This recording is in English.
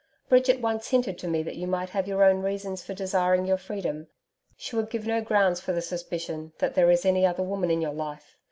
Bridget once hinted to me that you might have your own reasons for desiring your freedom. She would give no grounds for the suspicion that there is any other woman in your life.